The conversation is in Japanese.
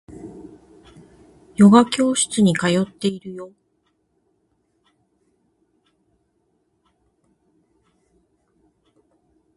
ヨガ教室に通っているよ